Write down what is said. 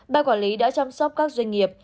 ba quản lý đã chăm sóc các doanh nghiệp